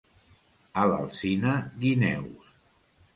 A l'Alzina, guineus.